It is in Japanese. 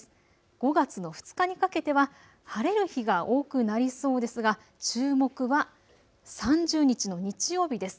５月の２日にかけては晴れる日が多くなりそうですが、注目は３０日の日曜日です。